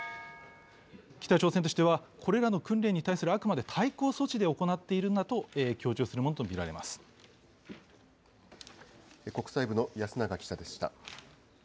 北朝鮮としては、これらの訓練に対するあくまで対抗措置で行っているんだと強調す国際部の安永記者でした。